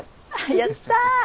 やった！